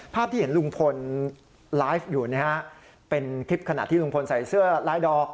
ภาพที่เห็นลุงพลไลฟ์อยู่นะฮะเป็นคลิปขณะที่ลุงพลใส่เสื้อลายดอก